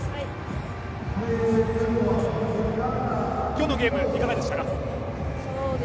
今日のゲームはいかがでしたか？